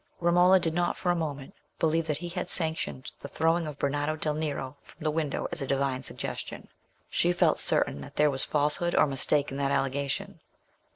Romola did not for a moment believe that he had sanctioned the throwing of Bernardo del Nero from the window as a Divine suggestion; she felt certain that there was falsehood or mistake in that allegation.